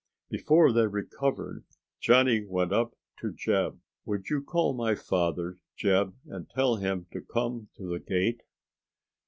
Before they recovered, Johnny went up to Jeb. "Would you call my father, Jeb, and tell him to come to the gate?"